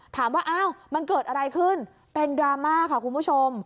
ถามว่าอ้าวมันเกิดอะไรขึ้นเป็นดราม่าค่ะคุณผู้ชม